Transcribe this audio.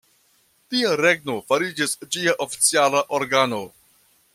Dia Regno fariĝis ĝia oficiala organo.